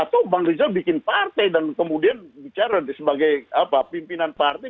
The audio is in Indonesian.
atau bang rizal bikin partai dan kemudian bicara sebagai pimpinan partai